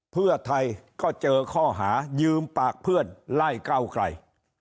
เพื่อไทยก็เจอข้อหายืมปากเพื่อนไล่ก้าวไกล